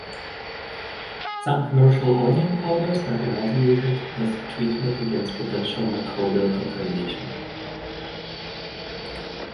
Some commercial onion powders are irradiated as treatment against potential microbial contamination.